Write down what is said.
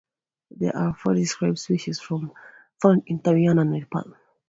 There are four described species found in Taiwan and Nepal.